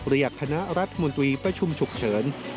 คณะรัฐมนตรีประชุมฉุกเฉิน